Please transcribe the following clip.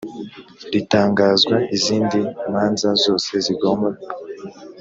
ritangazwa izindi manza zose zigomba